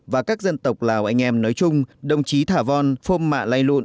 và các dân tộc lào anh em nói chung đồng chí thả vòn phôm mạ lây lụn